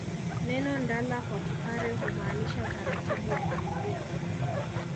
Neno ndala kwa Kipare humaanisha utaratibu wa familia